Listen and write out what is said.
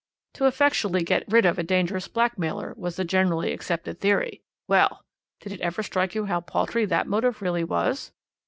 To effectually get rid of a dangerous blackmailer was the generally accepted theory. Well! did it ever strike you how paltry that motive really was?"